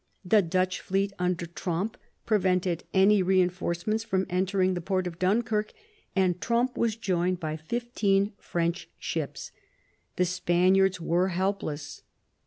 The Dutch fleet under Tromp prevented any reinforce ments from entering the port of Dunkirk, and Tromp was joined by fifteen French ships. The Spaniards were helpless.